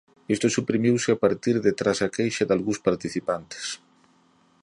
Isto suprimiuse a partir de tras a queixa dalgúns participantes.